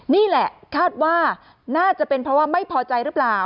นี่แหละคาดว่าน่าจะเป็นเพราะว่าไม่พอใจหรือเปล่า